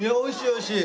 おいしい？